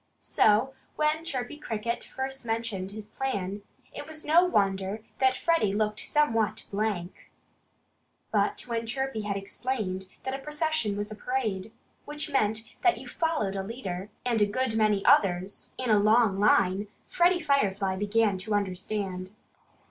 So when Chirpy Cricket first mentioned his plan it was no wonder that Freddie looked somewhat blank. But when Chirpy explained that a procession was a parade, which meant that you followed a leader and a good many others in a long line, Freddie Firefly began to understand.